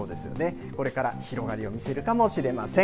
これから広がりを見せるかもしれません。